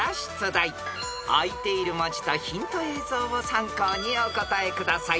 ［あいている文字とヒント映像を参考にお答えください］